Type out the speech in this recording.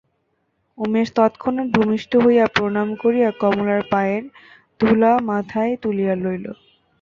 উমেশ তৎক্ষণাৎ ভূমিষ্ঠ হইয়া প্রণাম করিয়া কমলার পায়ের ধুলা মাথায় তুলিয়া লইল।